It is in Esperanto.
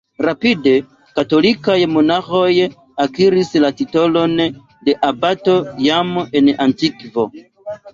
Rapide, katolikaj monaĥoj akiris la titolon de "abato", jam en antikvo.